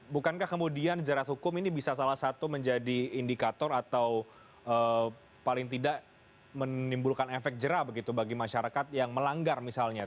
bukankah kemudian jerat hukum ini bisa salah satu menjadi indikator atau paling tidak menimbulkan efek jerah begitu bagi masyarakat yang melanggar misalnya